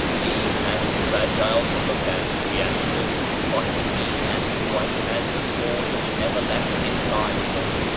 "Lean and fragile to look at," he answered, "but keen and bright as the sword which never left his side.